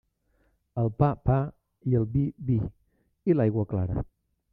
Al pa, pa; i al vi, vi; i l'aigua, clara.